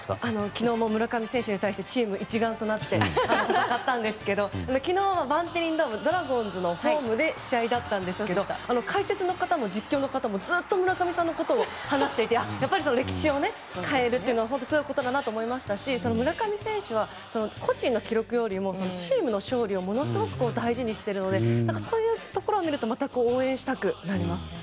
昨日も村上選手に対してチーム一丸となって戦ったんですけど昨日はバンテリンドームドラゴンズのホームで試合だったんですけど解説の方も実況の方もずっと村上さんのことを話していてやっぱり歴史を変えるというのはすごいことだなと思いましたし村上選手は個人の記録よりもチームの勝利をものすごく大事にしているのでそういうところを見るとまた応援したくなりますね。